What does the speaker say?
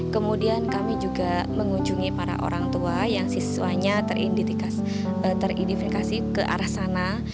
kemudian kami juga mengunjungi para orang tua yang siswanya teridentifikasi ke arah sana